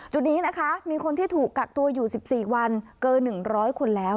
จุดนี้นะคะมีคนที่ถูกกักตัวอยู่๑๔วันเกิน๑๐๐คนแล้ว